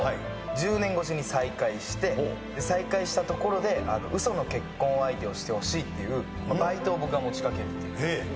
１０年越しに再会して再会したところで嘘の結婚相手をしてほしいっていうバイトを僕が持ち掛けるっていう。